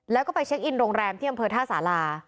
แล้วก็ไปเช็คอินโรงแรมที่อำเภอท่าสารา